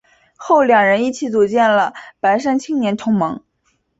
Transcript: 后两人一起组建了白山青年同盟。